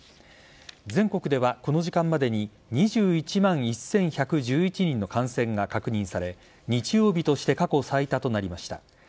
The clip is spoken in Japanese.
全国ではこの時間までに２１万１１１１人の感染が確認され日曜日として過去最多となりました。